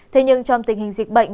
thế nhưng trong tình hình dịch bệnh